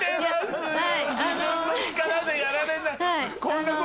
自分の力でやられた。